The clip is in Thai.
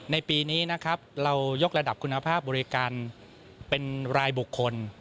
ในปีนี้นะครับเรายกระดับคุณภาพบริการเป็นรายบุคคล